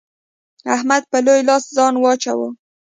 احمد په لوی لاس ځان واچاوو.